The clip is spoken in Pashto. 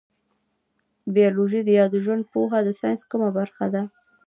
بیولوژي یا ژوند پوهنه د ساینس کومه برخه ده